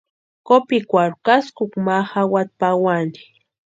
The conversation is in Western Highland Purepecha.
Kopikwarhu káskukwa ma jawati pawani.